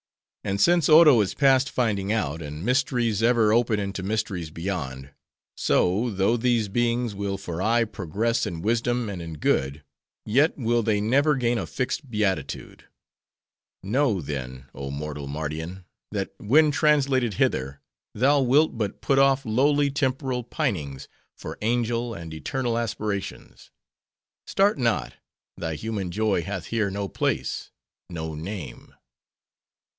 And since Oro is past finding out, and mysteries ever open into mysteries beyond; so, though these beings will for aye progress in wisdom and in good; yet, will they never gain a fixed beatitude. Know, then, oh mortal Mardian! that when translated hither, thou wilt but put off lowly temporal pinings, for angel and eternal aspirations. Start not: thy human joy hath here no place: no name.